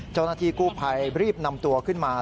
เจ้าหน้าที่กู้ภัยรีบนำตัวขึ้นมา